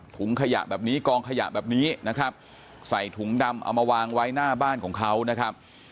ถุงขยะแบบนี้กองขยะแบบนี้นะครับใส่ถุงดำเอามาวางไว้หน้าบ้านของเขานะครับ